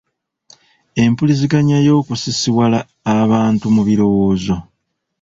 empuliziganya y’okusisiwala abantu mu birowoozo.